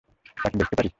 তাকে দেখতে পারি?